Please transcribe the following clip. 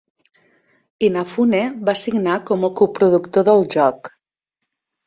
Inafune va signar com el coproductor del joc.